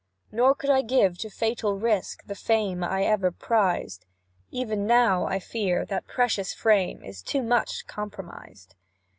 "Nor could I give to fatal risk The fame I ever prized; Even now, I fear, that precious fame Is too much compromised."